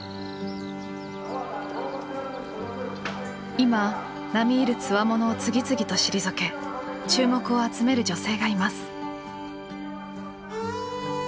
今並み居るつわものを次々と退け注目を集める女性がいます。